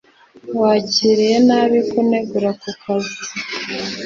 Wakiriye nabi kunegura kukazi?